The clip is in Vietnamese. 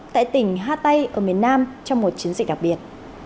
tại tỉnh hatay ở miền nam trong một chiến dịch đặc biệt